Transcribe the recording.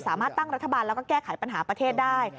สามารถตั้งรัฐบาลแล้วก็แก้ปัญหาประเทศได้